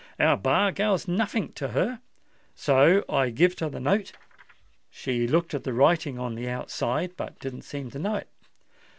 Our bar gal's nothink to her! So I gived her the note: she looked at the writing on the outside, but didn't seem to know it.